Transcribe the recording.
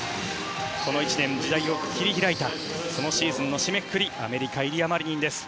この１年、時代を切り開いたそのシーズンの締めくくりアメリカイリア・マリニンです。